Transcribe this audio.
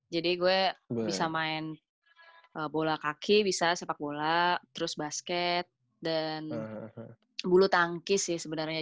jadi gue bisa main bola kaki bisa sepak bola terus basket dan bulu tangkis sih sebenarnya